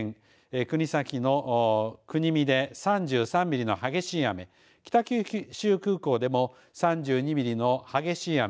国東の国見で３３ミリの激しい雨北九州空港でも３２ミリの激しい雨